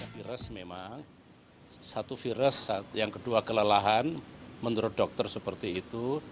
virus memang satu virus yang kedua kelelahan menurut dokter seperti itu